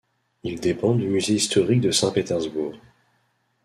Il dépend du musée historique de Saint-Pétersbourg.